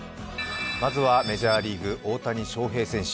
まずはメジャーリーグ大谷翔平選手。